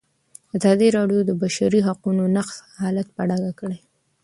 ازادي راډیو د د بشري حقونو نقض حالت په ډاګه کړی.